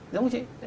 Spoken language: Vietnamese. đúng không chị